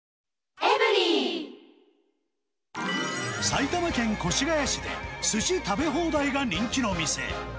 埼玉県越谷市で、すし食べ放題が人気の店。